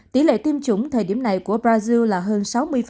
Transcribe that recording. tỷ lệ tiêm chủng thời điểm này của brazil là hơn sáu mươi